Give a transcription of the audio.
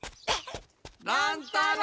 乱太郎！